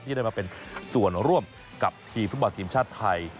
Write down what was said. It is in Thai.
ได้มาเป็นส่วนร่วมกับทีมฟุตบอลทีมชาติไทย